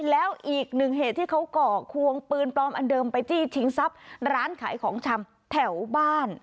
แล้วอีกหนึ่งเหตุที่เขาก่อควงปืนปลอมอันเดิมไปจี้ชิงทรัพย์ร้านขายของชำแถวบ้าน